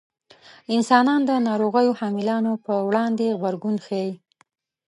انسانان د ناروغیو حاملانو په وړاندې غبرګون ښيي.